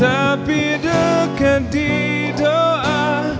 tapi dekat di doa